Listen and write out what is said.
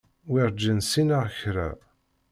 Werǧin ssineɣ kra.